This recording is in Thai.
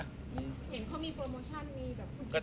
เห็นเขามีโปรโมชั่นมีแบบทุกคน